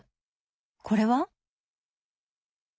これは？